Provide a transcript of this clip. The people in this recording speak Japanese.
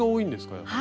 やっぱり。